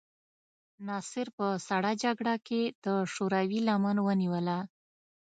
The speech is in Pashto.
ناصر په سړه جګړه کې د شوروي لمن ونیوله.